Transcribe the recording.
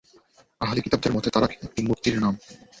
আহলি কিতাবদের মতে, তারাখ একটি মূর্তির নাম।